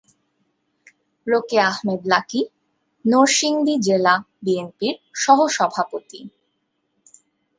রোকেয়া আহমেদ লাকী নরসিংদী জেলা বিএনপির সহসভাপতি।